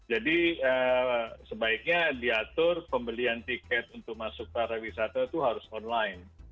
jadi sebaiknya diatur pembelian tiket untuk masuk pariwisata itu harus online